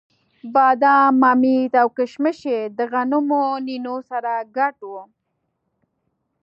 بادام، ممیز او کېشمش یې د غنمو نینو سره ګډ وو.